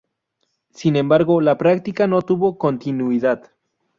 Sin embargo, la práctica no tuvo continuidad.